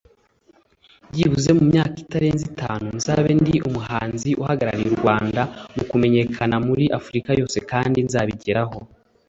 Byibuze mu myaka itarenze itanu nzabe ndi umuhanzi uhagarariye u Rwanda mu kumenyekana muri Afurika yose kandi nzabigeraho”